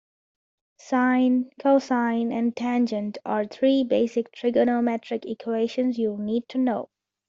Sine, cosine and tangent are three basic trigonometric equations you'll need to know.